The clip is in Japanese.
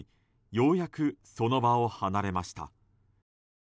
ようやくその場を離れました。